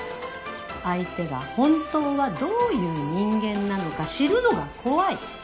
相手が本当はどういう人間なのか知るのが怖い。